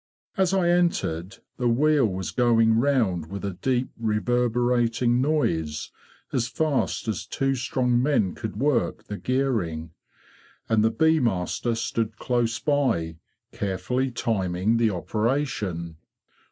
As I entered, the wheel was going round with a deep reverberating noise as fast as two strong men could work the gearing; and the bee master stood close by, carefully timing the operation.